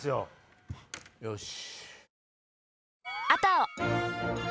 よし。